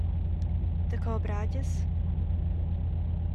Daco bragias?